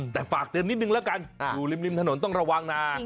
แต่ฝากเตือนนิดนึงแล้วกันอยู่ริมถนนต้องระวังนะ